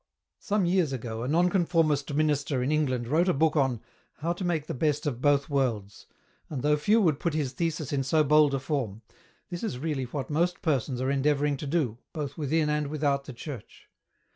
Some years ago a Nonconformist minister in England wrote a book on " How to make the best of both Worlds," and though few would put his thesis in so bold a form, this is really what most persons are endeavouring to do, both within and without the Church.